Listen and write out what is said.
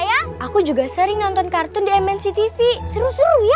ayah aku juga sering nonton kartun di mnctv seru seru ya